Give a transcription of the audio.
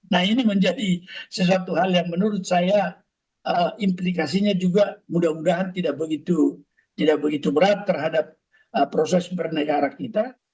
nah ini menjadi sesuatu hal yang menurut saya implikasinya juga mudah mudahan tidak begitu berat terhadap proses bernegara kita